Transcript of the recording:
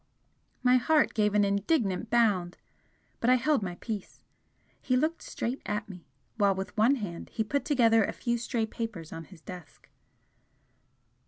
My heart gave an indignant bound, but I held my peace. He looked straight at me, while with one hand he put together a few stray papers on his desk.